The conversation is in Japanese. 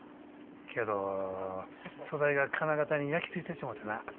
けど素材が金型に焼き付いてしもてな。